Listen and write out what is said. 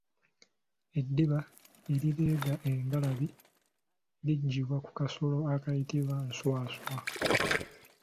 Eddiba erireega engalabi liggyibwa ku kasolo akayitibwa nswaswa.